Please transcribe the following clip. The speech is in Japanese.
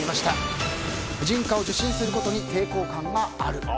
婦人科を受診することに抵抗感がある？